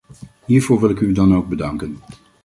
Hiervoor wil ik u dan ook bedanken.